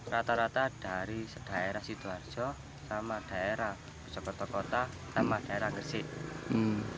rata rata dari daerah sidoarjo daerah soekarno karangkaw dan daerah gresik